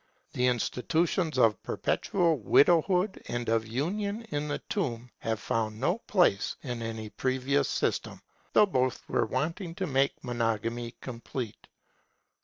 The institutions of perpetual widowhood and of union in the tomb have found no place in any previous system, though both were wanting to make monogamy complete.